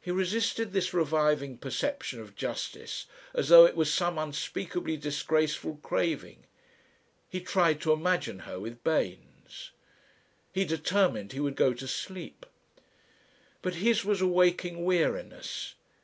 He resisted this reviving perception of justice as though it was some unspeakably disgraceful craving. He tried to imagine her with Baynes. He determined he would go to sleep. But his was a waking weariness.